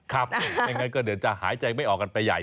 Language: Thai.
ครับยังไงก็เดี๋ยวจะหายใจไม่ออกกันไปใหญ่